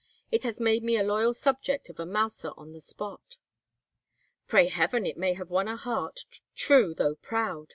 It has made a loyal subject of a Mouser on the spot." "Pray Heaven it may have won a heart, true though proud!"